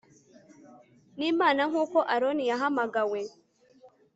n Imana nk uko Aroni yahamagawe